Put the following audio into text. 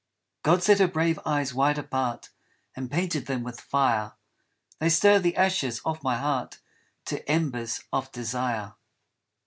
God set her brave eyes wide apart And painted them with fire, They stir the ashes of my heart To embers of desire.